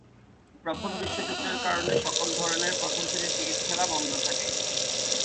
প্রথম বিশ্বযুদ্ধের কারণে সকল ধরনের প্রথম-শ্রেণীর ক্রিকেট খেলা বন্ধ থাকে।